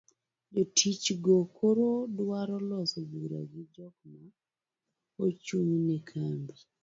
jotich go koro dwaro loso bura gi jok ma ochung'ne kambi